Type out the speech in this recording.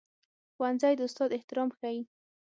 ښوونځی د استاد احترام ښيي